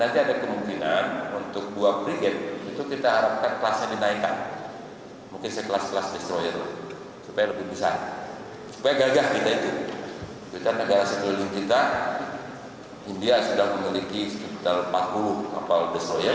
di negara sebelum kita india sudah memiliki sekitar empat puluh kapal destroyer